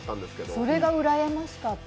それがうらやましかった。